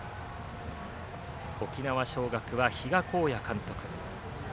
沖縄尚学は比嘉公也監督。